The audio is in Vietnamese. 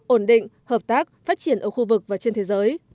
ổn định hợp tác phát triển ở khu vực và trên thế giới